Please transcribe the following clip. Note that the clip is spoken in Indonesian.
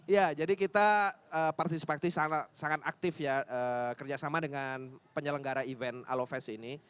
ya jadi kita partisipasi sangat aktif ya kerjasama dengan penyelenggara event aloves ini